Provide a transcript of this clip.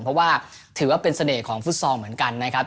เพราะว่าถือว่าเป็นเสน่ห์ของฟุตซอลเหมือนกันนะครับ